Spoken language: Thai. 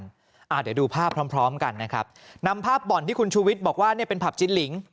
เดี๋ยวดูภาพพร้อมกันนะครับนำภาพบ่อนที่คุณชูวิชบอกว่าเป็นผับจิ้นหลิง